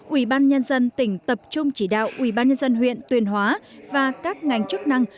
ủy ban nhân dân tỉnh tập trung chỉ đạo ủy ban nhân dân huyện tuyên hóa và các ngành chức năng